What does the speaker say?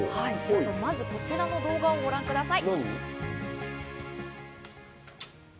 まずこちらの動画をご覧ください。